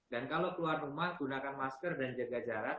dan kalau keluar rumah gunakan masker dan jaga jarak